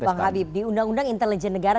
bang habib di undang undang intelijen negara